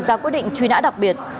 ra quyết định truy nã đặc biệt